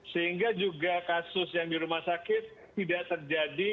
sehingga juga kasus yang di rumah sakit tidak terjadi